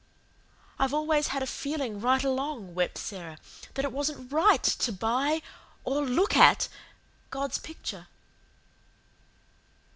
"I've always had a feeling right along," wept Sara, "that it wasn't RIGHT to buy or LOOK AT God's picture."